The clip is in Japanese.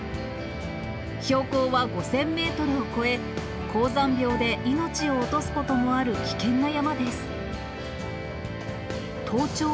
標高は５０００メートルを超え、高山病で命を落とすこともある危険な山です。